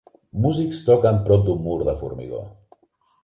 Músics toquen prop d'un mur de formigó.